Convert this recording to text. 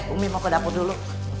umi mau ke dapur dulu